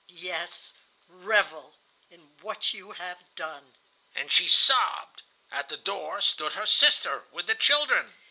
"'Yes, revel in what you have done.' "And she sobbed. "At the door stood her sister with the children.